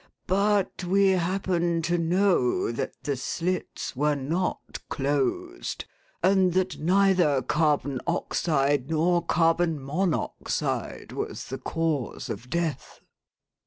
"But we happen to know that the slits were not closed and that neither carbon oxide nor carbon monoxide was the cause of death."